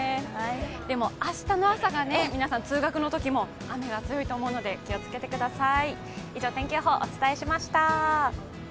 でも明日の朝がね皆さん通学のときも雨が強いと思うので気をつけてください。